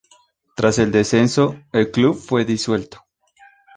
Tras el descenso, el club fue disuelto.